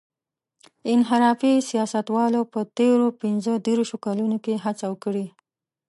انحرافي سیاستوالو په تېرو پينځه دېرشو کلونو کې هڅه کړې.